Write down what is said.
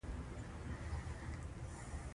سپوږمۍ د شپې له خوا خورا ښکلی وي